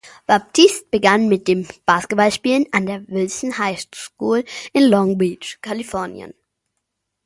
Batiste begann mit dem Basketballspielen an der Wilson Highschool in Long Beach, Kalifornien.